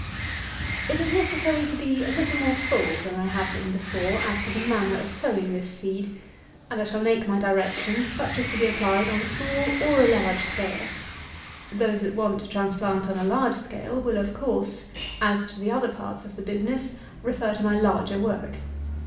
207. It is necessary to be a little more full than I have been before as to the manner of sowing this seed; and I shall make my directions such as to be applied on a small or a large scale. Those that want to transplant on a large scale will, of course, as to the other parts of the business, refer to my larger work.